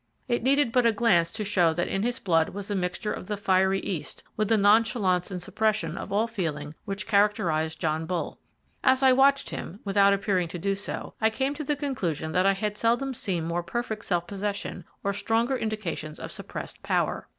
It needed but a glance to show that in his blood was a mixture of the fiery East, with the nonchalance and suppression of all feeling which characterize John Bull. As I watched him, without appearing to do so, I came to the conclusion that I had seldom seen more perfect self possession, or stronger indications of suppressed power.